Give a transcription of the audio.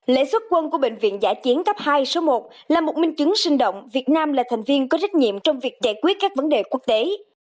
lễ xuất quân của bệnh viện giã chiến cấp hai số một là một minh chứng sinh động việt nam là thành viên có trách nhiệm trong việc giải quyết các vấn đề quốc tế